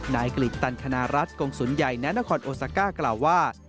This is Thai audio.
นายกริตตันคณะรัฐกรงสุนใหญ่นานาคอนโอซัก้ากล่าวว่า